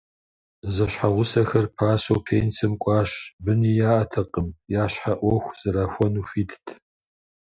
Зэщхьэгъусэхэр пасэу пенсэм кӏуащ, быни яӏэтэкъыми, я щхьэ ӏуэху зэрахуэну хуитт.